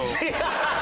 ハハハハ！